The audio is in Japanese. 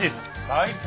最高。